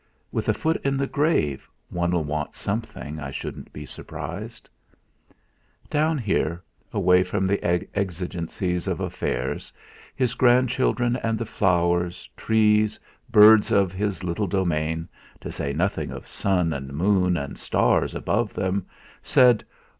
With a foot in the grave one'll want something, I shouldn't be surprised!' Down here away from the exigencies of affairs his grandchildren, and the flowers, trees, birds of his little domain, to say nothing of sun and moon and stars above them, said